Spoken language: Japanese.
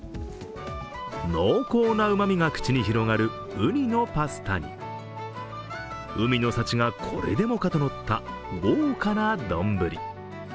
濃厚な旨みが口に広がるウニのパスタに、海の幸がこれでもかとのった豪華な丼。